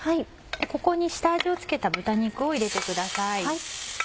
ここに下味を付けた豚肉を入れてください。